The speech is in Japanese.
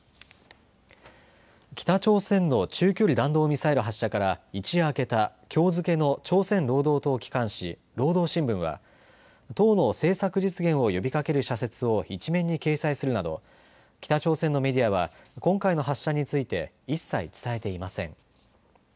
北朝鮮の中距離弾道ミサイル発射から一夜明けたきょう付けの朝鮮労働党機関紙、労働新聞は党の政策実現を呼びかける社説を１面に掲載するなど北朝鮮のメディアは今回の発射について一切伝えていません。